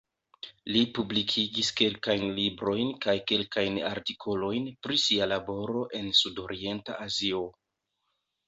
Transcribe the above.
Li publikigis kelkajn librojn kaj kelkajn artikolojn pri sia laboro en Sudorienta Azio.